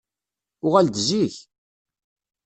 Uɣal-d zik!